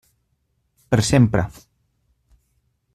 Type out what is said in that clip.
Per sempre.